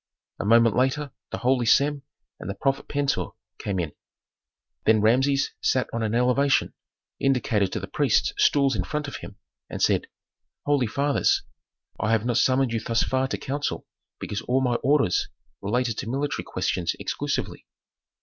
A moment later the holy Sem and the prophet Pentuer came in. Then Rameses sat on an elevation, indicated to the priests stools in front of him, and said, "Holy fathers! I have not summoned you thus far to counsel because all my orders related to military questions exclusively."